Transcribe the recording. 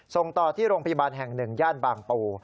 ส่งต่อที่โรงพยาบาลแห่ง๑ย่านบางปู